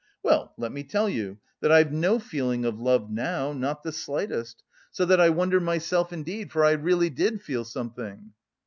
Well, let me tell you that I've no feeling of love now, not the slightest, so that I wonder myself indeed, for I really did feel something..."